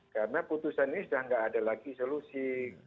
karena putusan ini sudah tidak ada lagi solusi